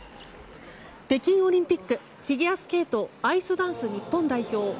北京オリンピックフィギュアスケートアイスダンス日本代表